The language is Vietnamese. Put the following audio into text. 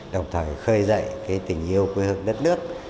đồng thời khơi dậy tình yêu quê hương đất nước